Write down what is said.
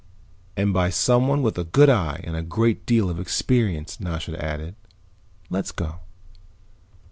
"And by someone with a good eye and a great deal of experience," Nasha added. "Let's go."